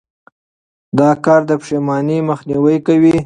دا کار د پښېمانۍ مخنیوی کوي.